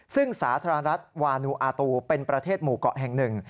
ซึ่งสาธารณรัฐวานูอาตูเป็นประเทศหมู่เกาะแห่งหนึ่ง